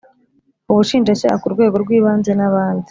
Ubushinjacyaha ku rwego rw Ibanze n’abandi